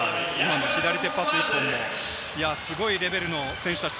左手パス１本も、すごいレベルの選手たち。